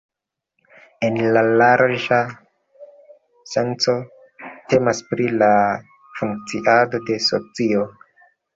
En la larĝa senco temas pri la funkciado de socio.